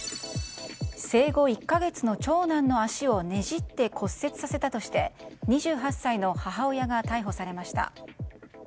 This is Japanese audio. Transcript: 生後１か月の長男の足をねじって骨折させたとして２８歳の母親が逮捕されました。